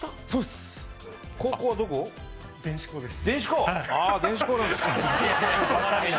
電子工です。